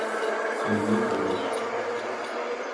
— Сергей йодеш.